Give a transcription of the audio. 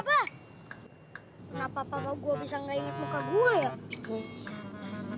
kenapa papa gua bisa ga inget muka gua ya